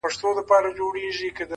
• زموږ د كلي څخه ربه ښكلا كډه كړې ـ